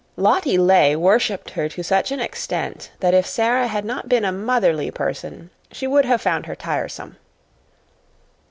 Lottie Legh worshipped her to such an extent that if Sara had not been a motherly person, she would have found her tiresome.